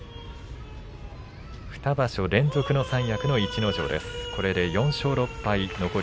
２場所連続三役の逸ノ城です。